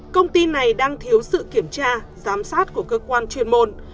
công ty này đang thiếu sự kiểm tra giám sát của cơ quan chuyên môn